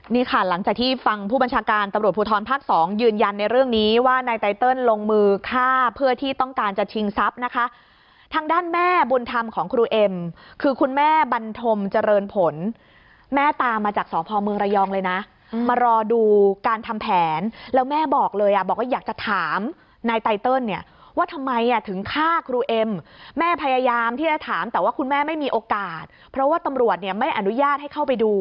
นี่ค่ะหลังจากที่ฟังผู้บัญชาการตำรวจภูทรภักดิ์๒ยืนยันในเรื่องนี้ว่าในไตเติลลงมือฆ่าเพื่อที่ต้องการจะชิงทรัพย์นะคะทางด้านแม่บุญธรรมของครูเอ็มคือคุณแม่บันทมเจริญผลแม่ตามมาจากสอบภอมือระยองเลยนะมารอดูการทำแผนแล้วแม่บอกเลยอ่ะบอกว่าอยากจะถามในไตเติลเนี่ยว่าทำไมอ่ะถึงฆ่